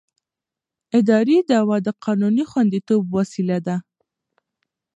اداري دعوه د قانوني خوندیتوب وسیله ده.